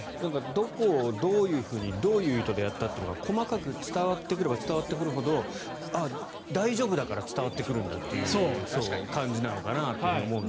どこをどういうふうにどういう意図でやったというのが細かく伝わってくれば伝わってくるほど大丈夫だから伝わってくるというそういう感じかなと思うので。